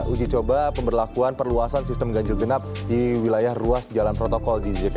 uji coba pemberlakuan perluasan sistem ganjil genap di wilayah ruas jalan protokol di jk